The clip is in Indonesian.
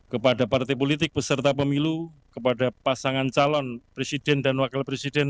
kepada partai politik beserta pemilu kepada pasangan calon presiden dan wakil presiden